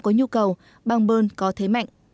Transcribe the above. có nhu cầu bang bern có thế mạnh